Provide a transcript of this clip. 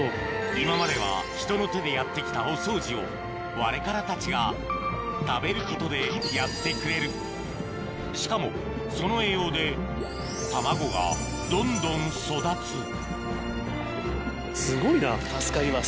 今までは人の手でやって来たお掃除をワレカラたちが食べることでやってくれるしかもその栄養で卵がどんどん育つすごいな。